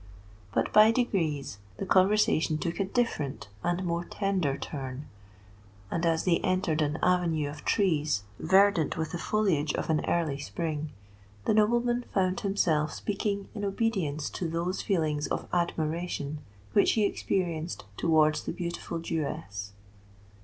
But by degrees the conversation took a different and more tender turn; and as they entered an avenue of trees verdant with the foliage of an early Spring, the nobleman found himself speaking in obedience to those feelings of admiration which he experienced towards the beautiful Jewess.